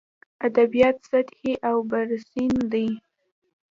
ادبیات سطحي او برسېرن دي.